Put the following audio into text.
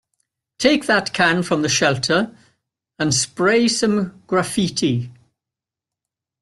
Take that can from the shelter and spray some graffiti.